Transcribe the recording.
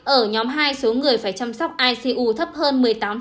ở nhóm hai số người phải chăm sóc icu thấp hơn một mươi tám